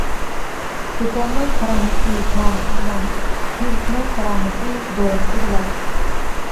دۇتارنىڭ كارامىتى تارىسى بىلەن، تېۋىپنىڭ كارامىتى دورىسى بىلەن.